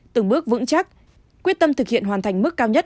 từng bước vững chắc quyết tâm thực hiện hoàn thành mức cao nhất